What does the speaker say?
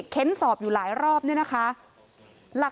เค้นสอบอยู่หลายรอบเนี่ยนะคะ